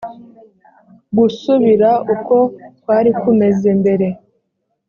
gusubira uko kwari kumeze mbere